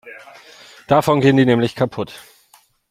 Davon gehen die nämlich kaputt.